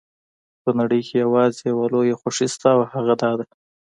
په نړۍ کې یوازې یوه لویه خوښي شته او هغه دا ده.